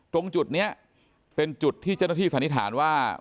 ตรงจุดนี้เป็นจุดที่เจ้าหน้าที่สันนิษฐานว่า